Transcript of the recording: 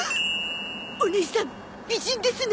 おねいさん美人ですね！？